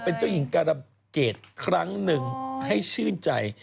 เป็นเจ้าหญิงการะเกดครั้งหนึ่งให้ชื่นใจ